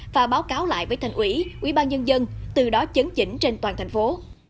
và báo cáo lại với thành ủy ubnd từ đó chấn chỉnh trên toàn thành phố